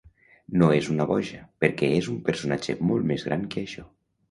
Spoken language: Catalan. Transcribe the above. No és una boja, perquè és un personatge molt més gran que això.